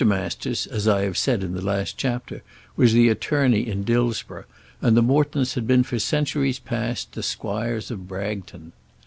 Masters, as I have said in the last chapter, was the attorney in Dillsborough, and the Mortons had been for centuries past the squires of Bragton.